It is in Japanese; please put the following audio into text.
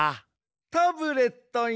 タブレットンよ。